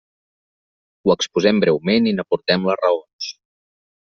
Ho exposem breument i n'aportem les raons.